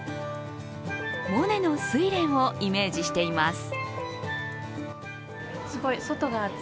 モネの「睡蓮」をイメージしています。